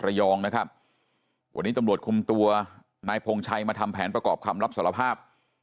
ระยองนะครับวันนี้ตำรวจคุมตัวนายพงชัยมาทำแผนประกอบคำรับสารภาพ